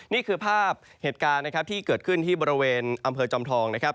นี่คือภาพเหตุการณ์ที่เกิดขึ้นที่บริเวณอำเภอจำทอง